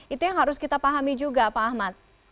itu yang harus kita pahami juga pak ahmad